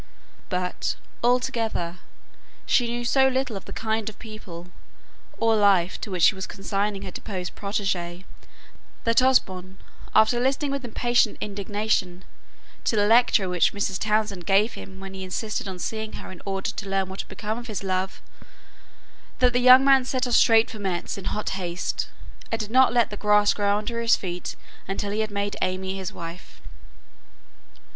But, altogether, she knew so little of the kind of people or life to which she was consigning her deposed protÄgÄe that Osborne, after listening with impatient indignation to the lecture which Mrs. Townshend gave him when he insisted on seeing her in order to learn what had become of his love, that the young man set off straight for Metz in hot haste, and did not let the grass grow under his feet until he had made AimÄe his wife.